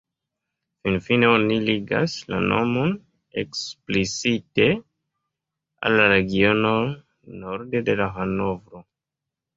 Finfine oni ligas la nomon eksplicite al la regiono norde de Hanovro.